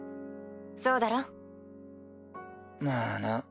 そうだろ？まあな。